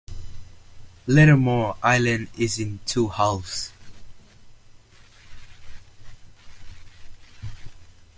Lettermore island is in two halves.